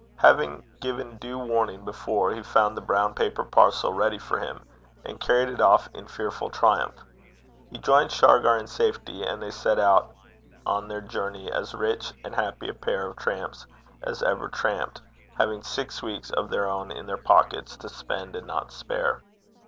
Having given due warning before, he found the brown paper parcel ready for him, and carried it off in fearful triumph. He joined Shargar in safety, and they set out on their journey as rich and happy a pair of tramps as ever tramped, having six weeks of their own in their pockets to spend and not spare.